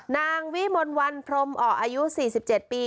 นางวิมลวันพรมออกอายุ๔๗ปี